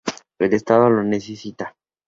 El Estado lo necesita.